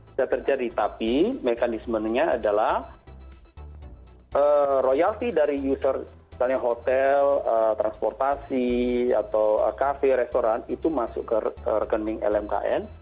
sudah terjadi tapi mekanismenya adalah royalti dari user misalnya hotel transportasi atau kafe restoran itu masuk ke rekening lmkn